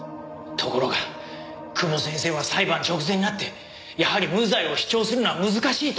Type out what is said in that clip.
ところが久保先生は裁判直前になってやはり無罪を主張するのは難しいと言い出して。